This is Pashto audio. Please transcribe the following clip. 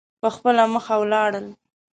په خپله مخه ولاړل.